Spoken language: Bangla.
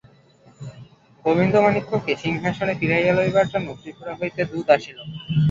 গোবিন্দমাণিক্যকে সিংহাসনে ফিরাইয়া লইবার জন্য ত্রিপুরা হইতে দূত আসিল।